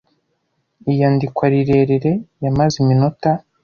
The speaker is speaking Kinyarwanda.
Iyandikwa rirerire yamaze iminota